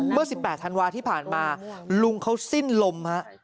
เมื่อ๑๘ธันวาที่ผ่านมาลุงเขาสิ้นลมฮะ